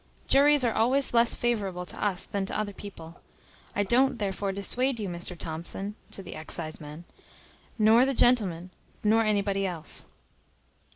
Juries are always less favourable to us than to other people. I don't therefore dissuade you, Mr Thomson (to the exciseman), nor the gentleman, nor anybody else."